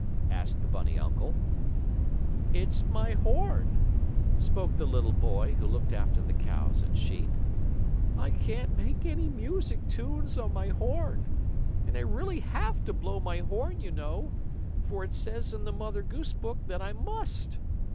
asked the bunny uncle. "It's my horn," spoke the little boy who looked after the cows and sheep. "I can't make any music tunes on my horn. And I really have to blow my horn, you know, for it says in the Mother Goose book that I must.